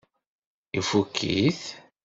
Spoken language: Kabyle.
Ifukk-it?